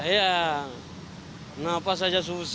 ya nafas saja susah